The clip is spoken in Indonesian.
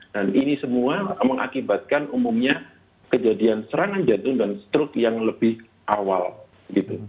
dan ini semua mengakibatkan umumnya kejadian serangan jantung dan strok yang lebih tinggi